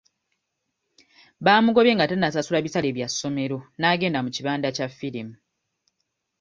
Baamugobye nga tannasasula bissale bya ssomero n'agenda mu kibanda kya firimu.